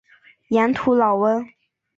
盐土老翁。